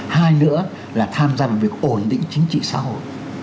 hai nữa là tham gia vào việc ổn định chính trị xã hội